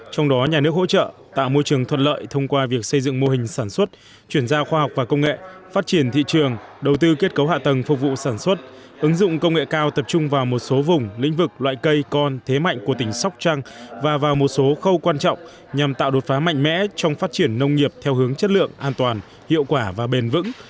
trong đó nhà nước hỗ trợ tạo môi trường thuận lợi thông qua việc xây dựng mô hình sản xuất chuyển giao khoa học và công nghệ phát triển thị trường đầu tư kết cấu hạ tầng phục vụ sản xuất ứng dụng công nghệ cao tập trung vào một số vùng lĩnh vực loại cây con thế mạnh của tỉnh sóc trăng và vào một số khâu quan trọng nhằm tạo đột phá mạnh mẽ trong phát triển nông nghiệp theo hướng chất lượng an toàn hiệu quả và bền vững